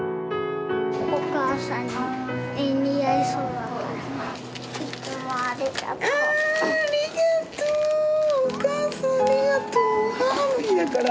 お母さんに似合いそうだから。